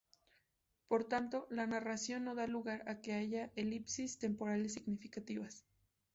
Por tanto, la narración no da lugar a que haya elipsis temporales significativas.